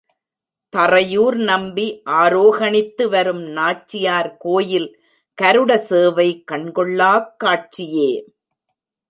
தறையூர் நம்பி ஆரோகணித்து வரும் நாச்சியார் கோயில் கருடசேவை கண்கொள்ளாக் காட்சியே.